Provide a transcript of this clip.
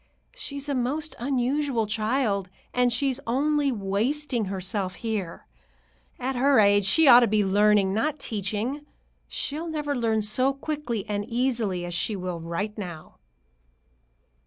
She's a most unusual child, and she's only wasting herself here. At her age she ought to be learning, not teaching. She'll never learn so quickly and easily as she will right now."